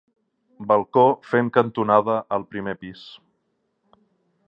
Balcó fent cantonada el primer pis.